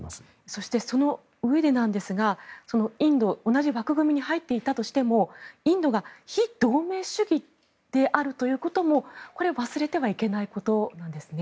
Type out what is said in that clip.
そしてそのうえでなんですが同じ枠組みに入っていたとしてもインドが非同盟主義であるということもこれ、忘れてはいけないことなんですね。